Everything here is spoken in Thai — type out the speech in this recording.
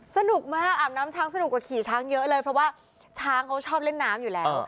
สนุกมากอาบน้ำช้างสนุกกว่าขี่ช้างเยอะเลยเพราะว่าช้างเขาชอบเล่นน้ำอยู่แล้ว